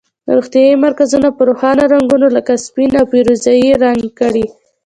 روغتیایي مرکزونه په روښانه رنګونو لکه سپین او پیروزه یي رنګ کړئ.